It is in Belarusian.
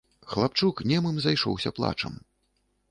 Хлапчук немым зайшоўся плачам.